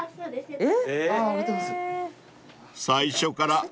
えっ！